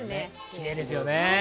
きれいですよね。